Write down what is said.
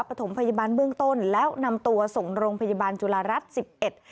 ประถมพยาบาลเบื้องต้นแล้วนำตัวส่งโรงพยาบาลจุฬารัฐสิบเอ็ด